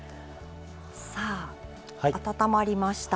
さあ温まりました。